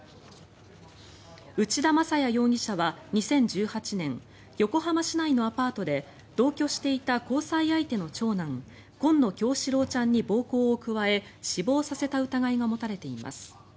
内田正也容疑者は２０１８年横浜市内のアパートで同居していた交際相手の長男紺野叶志郎ちゃんに暴行を加え死亡させた疑いが持たれています。